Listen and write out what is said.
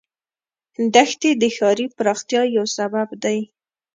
دښتې د ښاري پراختیا یو سبب دی.